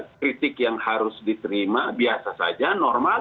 kritik yang harus diterima biasa saja normal